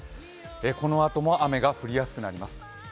このあとも雨が降りやすくなります。